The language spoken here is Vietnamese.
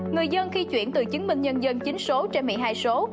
người dân khi chuyển từ chứng minh nhân dân chính số trên một mươi hai số